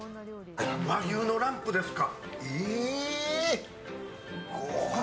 和牛のランプですか。